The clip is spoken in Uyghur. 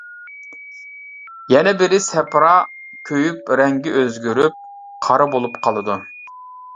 يەنە بىرى سەپرا كۆيۈپ رەڭگى ئۆزگىرىپ، قارا بولۇپ قالىدۇ.